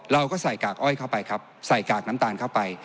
เราก็ใส่กากอ้อยเข้าไปครับใส่กากน้ำตาลเข้าไป